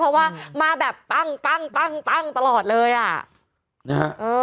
เพราะว่ามาแบบตั้งตั้งตั้งตั้งตั้งตลอดเลยอ่ะ